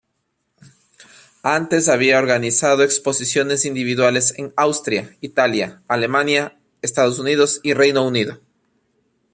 Antes había organizado exposiciones individuales en Austria, Italia, Alemania, Estados Unidos y Reino Unido.